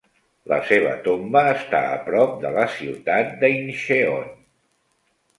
La seva tomba està a prop de la ciutat de Incheon.